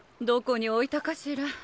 どこに置いたかしら？